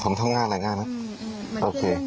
ฮะผมทำงานอะไรง่ายนะโอเค